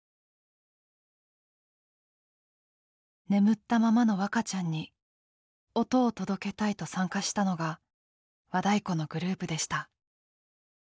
眠ったままの和花ちゃんに音を届けたいと参加したのが和太鼓のグループでした。